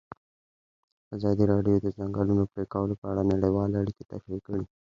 ازادي راډیو د د ځنګلونو پرېکول په اړه نړیوالې اړیکې تشریح کړي.